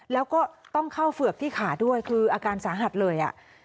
แล้วก็ต้องเข้าเฝือกที่ขาด้วยคืออาการสาหัสเลย